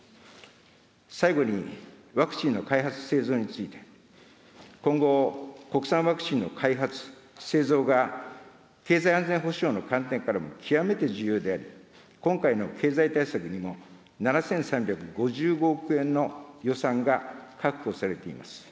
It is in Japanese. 最後に、ワクチンの開発・製造について、今後、国産ワクチンの開発・製造が経済安全保障の観点からも極めて重要であり、今回の経済対策にも７３５５億円の予算が確保されています。